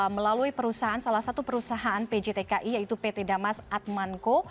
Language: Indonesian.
melalui perusahaan salah satu perusahaan pjtki yaitu pt damas atmanko